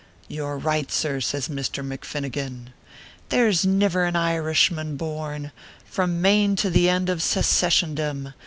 "You re right, sir," says Misther McFinnigan. " There s niver an Irishmen born, From Maine to the end of Secessiondom.